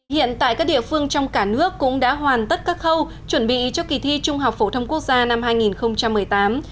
hiện tại các địa phương trong cả nước cũng đã hoàn tất các khâu chuẩn bị cho kỳ thi trung học phổ thông quốc gia năm hai nghìn một mươi tám